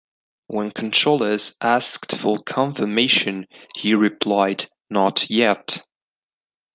When controllers asked for confirmation he replied "not yet".